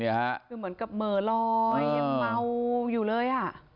เหมือนกับเมลอยเหม่าอยู่เลย